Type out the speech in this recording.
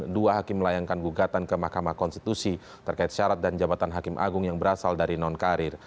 dua hakim melayangkan gugatan ke mahkamah konstitusi terkait syarat dan jabatan hakim agung yang berasal dari nonkarir